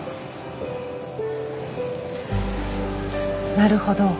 なるほど。